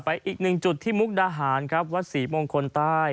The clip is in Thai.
อีกหนึ่งจุดที่มุกดาหารครับวัดศรีมงคลใต้